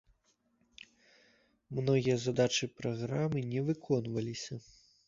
Многія задачы праграмы не выконваліся.